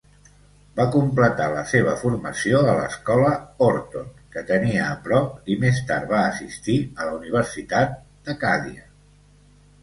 Va completar la seva formació a la escola Horton, que tenia a prop, i més tard va assistir a la Universitat d'Acàdia.